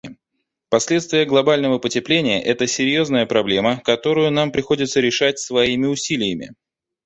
Последствия глобального потепления — это серьезная проблема, которую нам приходится решать своими усилиями.